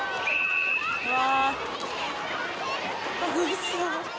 うわあ楽しそう。